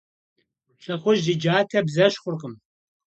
ЛӀыхъужь и джатэ бзэщхъуркъым.